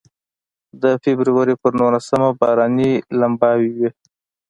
د فبروري په نولسمه باراني لمباوې وې.